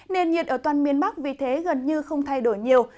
nền nhiệt ở toàn miền bắc vì thế gần như không thay đổi nhiều